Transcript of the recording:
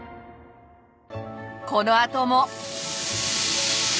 このあとも。